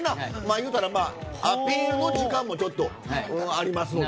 言うたらアピールの時間もちょっとありますので。